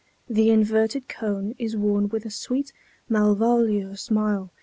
The inverted cone is worn with a sweet, Malvolio smile.